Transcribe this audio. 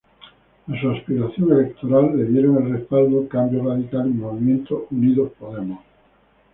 A su aspiración electoral le dieron el respaldo Cambio Radical y Movimiento Unidos Podemos.